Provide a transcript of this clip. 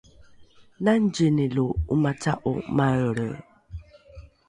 nangzini lo ’omaca’o maelre?